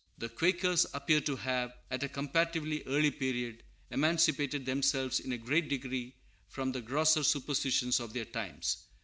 [The Quakers appear to have, at a comparatively early period, emancipated themselves in a great degree from the grosser superstitions of their times.